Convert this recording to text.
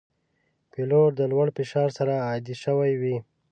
پیلوټ د لوړ فشار سره عادي شوی وي.